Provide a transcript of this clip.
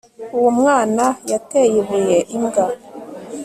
uwo mwana yateye ibuye imbwa